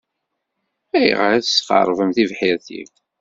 Ayɣer i tesxeṛbem tibḥirt-iw?